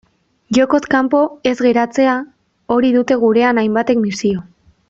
Jokoz kanpo ez geratzea, hori dute gurean hainbatek misio.